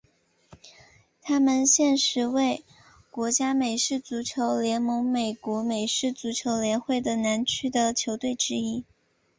他们现时为国家美式足球联盟美国美式足球联会的南区的球队之一。